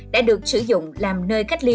đã được sử dụng làm nơi cách ly